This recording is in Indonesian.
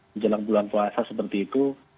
menjelang bulan puasa seperti itu